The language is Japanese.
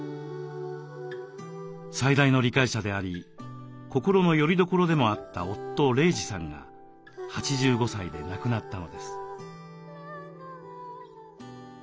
最大の理解者であり心のよりどころでもあった夫・玲児さんが８５歳で亡くなったのです。